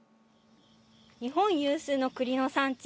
日本有数のくりの産地